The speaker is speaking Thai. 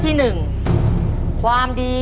ขอเชิญแสงเดือนมาต่อชีวิต